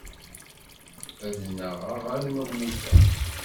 Ad nnaɣeɣ arma mmuteɣ.